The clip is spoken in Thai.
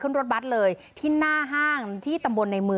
คุณสุลินบอกว่ามีความผูกพันกับคุณนักศิลป์ทำให้ดีใจมาก